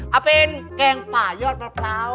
เอาเป็นแกงป่ายอดมะพร้าว